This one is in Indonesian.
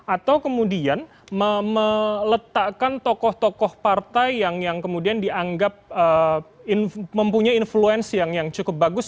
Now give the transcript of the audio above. atau kemudian meletakkan tokoh tokoh partai yang kemudian dianggap mempunyai influence yang cukup bagus